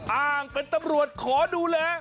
อ้างเป็นตำรวจขอดูแล